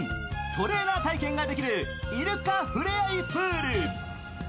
トレーナー体験ができるイルカふれあいプール。